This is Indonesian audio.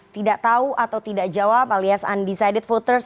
tidak tahu atau tidak jawab alias undecided voters